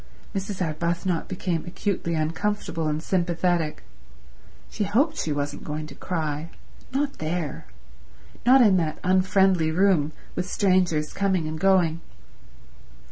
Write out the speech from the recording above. Mrs. Arbuthnot became acutely uncomfortable and sympathetic. She hoped she wasn't going to cry. Not there. Not in that unfriendly room, with strangers coming and going.